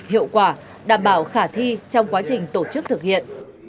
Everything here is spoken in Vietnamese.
hiệu quả đảm bảo khả thi trong quá trình tổ chức thực hiện